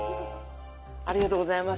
ありがとうございます。